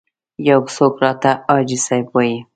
یو څوک راته حاجي صاحب وایي.